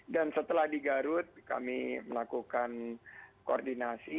dan setelah di garut kami melakukan koordinasi